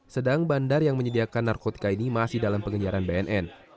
sedang bandar yang menyediakan narkotika ini masih dalam pengejaran bnn